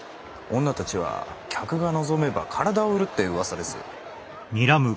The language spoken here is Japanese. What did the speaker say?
女たちは客が望めば体を売るって噂です。